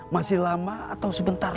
masih lama atau sebentar